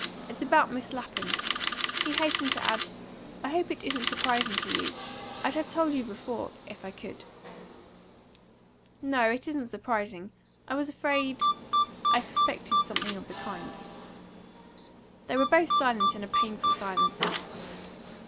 "It's about Miss Lapham." He hastened to add, "I hope it isn't surprising to you. I'd have told you before, if I could." "No, it isn't surprising. I was afraid I suspected something of the kind." They were both silent in a painful silence.